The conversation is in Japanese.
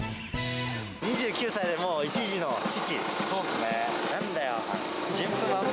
２９歳で１児の父。